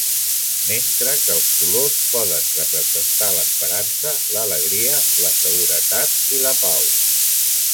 Mentre que els colors poden representar l'esperança, l'alegria, la seguretat i la pau.